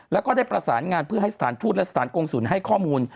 แล้วก็ได้ประสานงานเพื่อให้สถานทูตและสถานกงศูนย์ให้ข้อมูล